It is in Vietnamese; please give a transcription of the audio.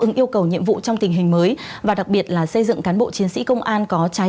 ứng yêu cầu nhiệm vụ trong tình hình mới và đặc biệt là xây dựng cán bộ chiến sĩ công an có trái